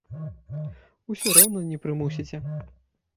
Усё роўна не прымусіце.